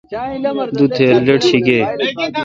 دو تھیر لیٹ شی گے۔